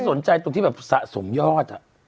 ไม่ใช่สนใจตรงที่แบบสะสมยอด